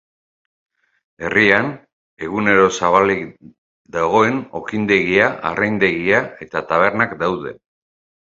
Herrian, egunera zabalik dagoen okindegia, arraintegia eta tabernak daude.